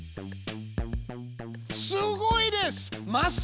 すごいです！